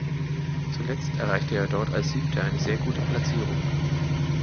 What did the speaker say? Zuletzt erreichte er dort als Siebter eine sehr gute Platzierung.